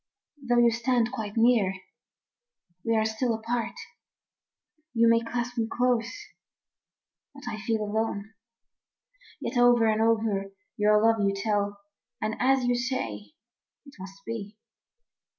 Though you stand quite near, we are still apart, You may clasp me close, but I feel alone. Yet over and over your love you tell, And as you say, it must be.